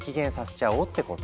ちゃおうってこと。